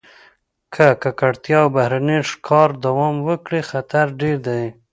که ککړتیا او بهرني ښکار دوام وکړي، خطر ډېر دی.